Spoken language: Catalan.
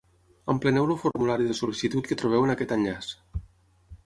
Empleneu el formulari de sol·licitud que trobeu en aquest enllaç.